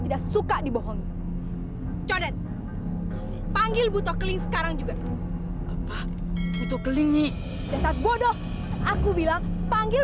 tidak suka dibohongi jodoh panggil butuh kering sekarang juga itu kelingin bodoh aku bilang panggil